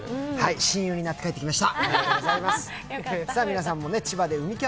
親友になって帰ってきました。